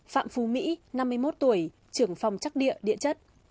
phạm phú mỹ năm mươi một tuổi trưởng phòng chắc địa địa chất